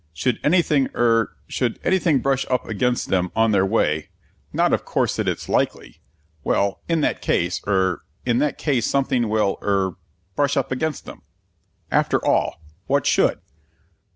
Should anything er should anything brush up against them on their way not of course that it's likely well, in that case er in that case something will er brush up against them. After all, what _should?